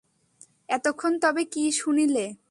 এতক্ষণ তবে কী শুনিলে?